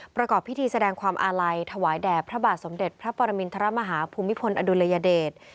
ประกอบพิธีแสดงความอาลัยถวายแด่พระบาทสมเด็จพระปรมินทรมาฮาภูมิพลอดุลยเดช